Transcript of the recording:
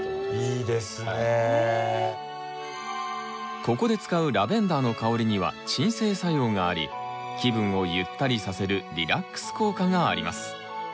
ここで使うラベンダーの香りには鎮静作用があり気分をゆったりさせるリラックス効果があります。